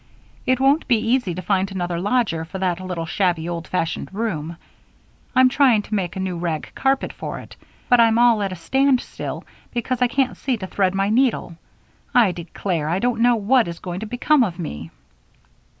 It won't be easy to find another lodger for that little, shabby, old fashioned room. I'm trying to make a new rag carpet for it, but I'm all at a standstill because I can't see to thread my needle. I declare, I don't know what is going to become of me."